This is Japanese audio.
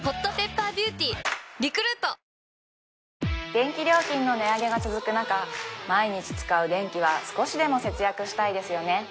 電気料金の値上げが続く中毎日使う電気は少しでも節約したいですよね